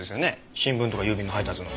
新聞とか郵便の配達の。